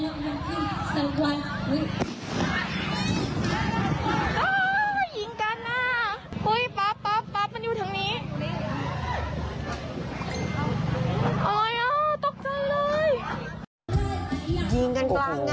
ยิงกันกลางงาน